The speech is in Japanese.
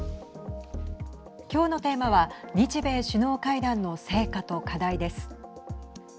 今日のテーマは日米首脳会談の成果と課題です。